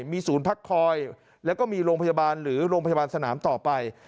มีศูนย์พักคอยแล้วก็มีโรงพยาบาลหรือโรงพยาบาลสนามต่อไป